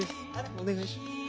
お願いします。